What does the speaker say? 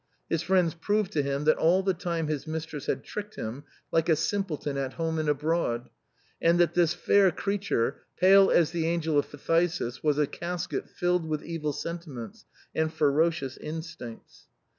His friends "proved" to him that all the time his mistress had tricked him like a simpleton at home and abroad, and that this fair creature, pale as the angel of phthisis, was a casket filled with evil sentiments and ferocious instincts.